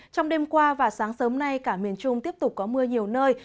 trong đêm qua và sáng sớm nay cả miền trung tiếp tục có mưa nhiều nơi